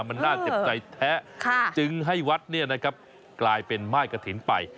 มันน่าเจ็บใจแท้จึงให้วัดกลายเป็นม่ายกระถิ่นไป